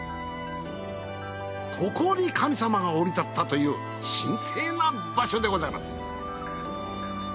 ここに神様が降り立ったという神聖な場所でございます。